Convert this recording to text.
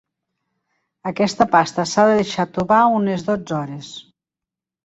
Aquesta pasta s'ha de deixar tovar unes dotze hores.